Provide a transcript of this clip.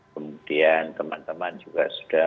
kemudian teman teman juga sudah